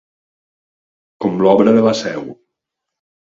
Com l'obra de la Seu.